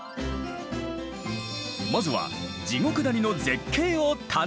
まずは地獄谷の絶景を堪能！